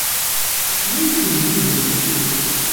Cnut i ugellid-nneɣ, cnut!